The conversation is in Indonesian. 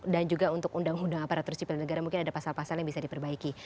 dan juga untuk undang undang aparatus jepang negara mungkin ada pasal pasal yang bisa diperbaiki